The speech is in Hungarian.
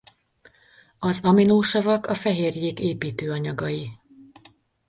Az aminosavak a fehérjék építőanyagai.